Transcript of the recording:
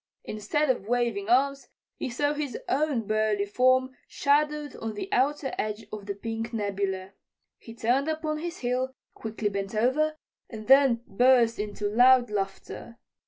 Instead of waving arms, he saw his own burly form shadowed on the outer edge of the pink nebula. He turned upon his heel, quickly bent over, and then burst into loud laughter.